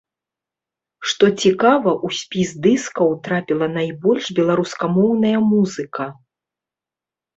Што цікава, у спіс дыскаў трапіла найбольш беларускамоўная музыка.